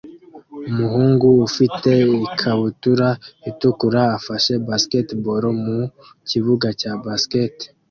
Umuhungu ufite ikabutura itukura afashe basketball mu kibuga cya basket